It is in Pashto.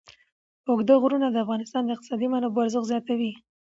اوږده غرونه د افغانستان د اقتصادي منابعو ارزښت زیاتوي.